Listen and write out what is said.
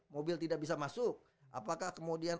mobil tidak bisa masuk apakah kemudian